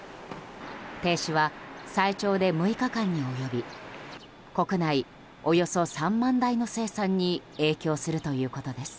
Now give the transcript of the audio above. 停止は最長で６日間に及び国内およそ３万台の生産に影響するということです。